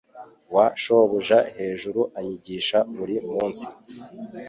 wa shobuja hejuru anyigisha buri munsi